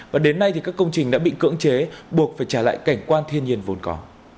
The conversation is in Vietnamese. và đến nay các công trình đã bị cưỡng chế buộc phải trả lại cảnh quan thiên nhiên vốn có